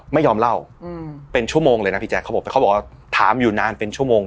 ไม่ยอมเล่าอืมเป็นชั่วโมงเลยนะพี่แจ๊เขาบอกแต่เขาบอกว่าถามอยู่นานเป็นชั่วโมง